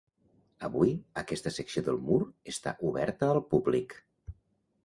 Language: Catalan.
Avui, aquesta secció del mur està oberta al públic.